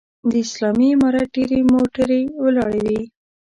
د اسلامي امارت ډېرې موټرې ولاړې وې.